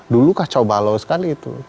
dulu kacau balau sekali itu